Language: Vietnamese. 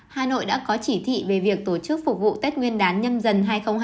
hà nội đã có chỉ thị về việc tổ chức phục vụ tết nguyên đán nhâm dần hai nghìn hai mươi bốn